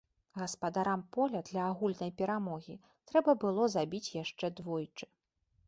Гаспадарам поля для агульнай перамогі трэба было забіць яшчэ двойчы.